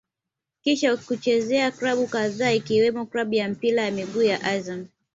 Kisha kuzichezea klabu kadhaa zikiwemo klabu ya mpira wa miguu ya Azam